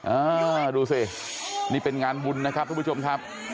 อ่าดูสินี่เป็นงานบุญนะครับทุกผู้ชมครับ